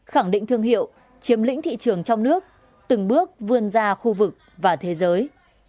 khẳng định thương hiệu chiếm lĩnh thị trường trong nước từng bước vươn ra khu vực và thế giới